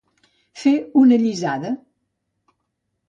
Fer una allisada.